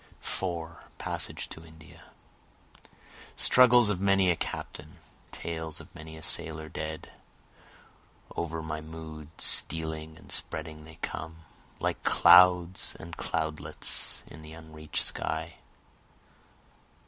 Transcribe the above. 4 Passage to India! Struggles of many a captain, tales of many a sailor dead, Over my mood stealing and spreading they come, Like clouds and cloudlets in the unreach'd sky.